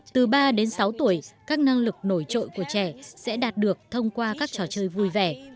từ ba đến sáu tuổi các năng lực nổi trội của trẻ sẽ đạt được thông qua các trò chơi vui vẻ